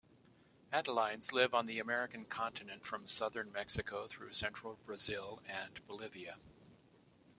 Atelines live on the American continent from southern Mexico through central Brazil and Bolivia.